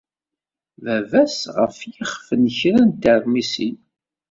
Baba-s ɣef yixef n kra n teṛmisin.